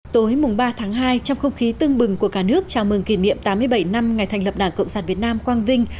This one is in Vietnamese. tối ba tháng hai trong không khí tưng bừng của cả nước chào mừng kỷ niệm tám mươi bảy năm ngày thành lập đảng cộng sản việt nam quang vinh